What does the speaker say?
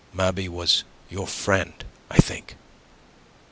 Mabey was your friend, I think.